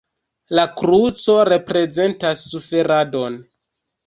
La kruco reprezentas suferadon.